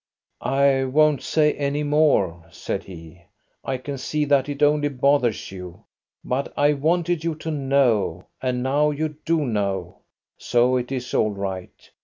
"I won't say any more," said he; "I can see that it only bothers you. But I wanted you to know, and now you do know, so it is all right.